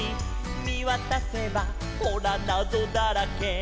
「みわたせばほらなぞだらけ」